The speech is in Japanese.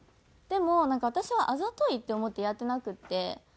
でもなんか私はあざといって思ってやってなくて。